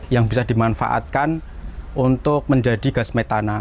yang bisa dimanfaatkan untuk menjadi gas metana